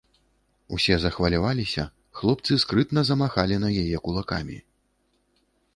Усе захваляваліся, хлопцы скрытна замахалі на яе кулакамі.